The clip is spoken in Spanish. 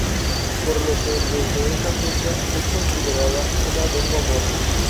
Por lo que desde esa fecha es considerada una lengua muerta.